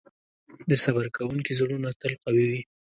د صبر کوونکي زړونه تل قوي وي.